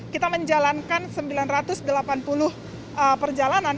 kita menjalankan sembilan ratus delapan puluh perjalanan